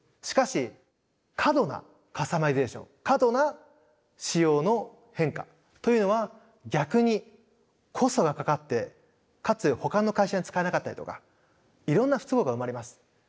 しかし過度なカスタマイゼーション過度な仕様の変化というのは逆にコストがかかってかつほかの会社で使えなかったりとかいろんな不都合が生まれます。